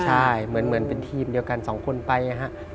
ใช่เหมือนเป็นทีมเดียวกันสองคนไปนะครับ